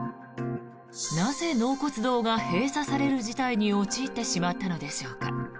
なぜ、納骨堂が閉鎖される事態に陥ってしまったのでしょうか。